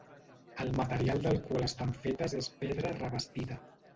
El material del qual estan fetes és pedra revestida.